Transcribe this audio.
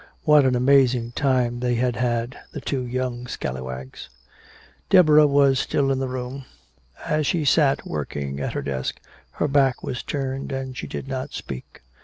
What an amazing time they had had, the two young scalawags. Deborah was still in the room. As she sat working at her desk, her back was turned and she did not speak.